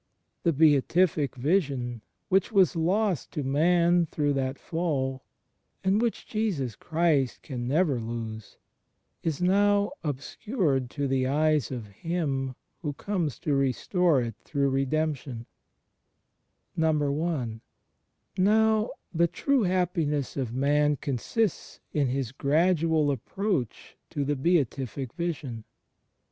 The Beatific Vision which was lost to man »Hcb. 11:9. «Heb. v:8. CHRIST IN mS mSTOEICAL LIFE I33 through that fall, and which Jesus Christ can never lose, is now obscured to the eyes of Him who comes to restore it through Redemption. I. Now, the true happiness of man consists in his gradual approach to the Beatific Vision.